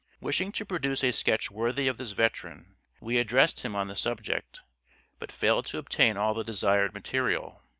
Wishing to produce a sketch worthy of this veteran, we addressed him on the subject, but failed to obtain all the desired material.